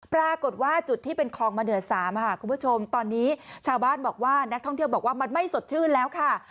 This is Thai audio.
ปรากฏว่าจุดที่เป็นคลองมะเดือด๓ค่ะคุณผู้ชมตอนนี้ชาวบ้านบอกว่านักท่องเที่ยวบอกว่ามันไม่สดชื่นแล้วค่ะ